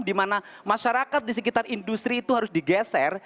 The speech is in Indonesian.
dimana masyarakat di sekitar industri itu harus digeser